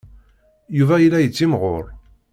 Yuba yella yettimɣur.